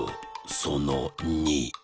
その２。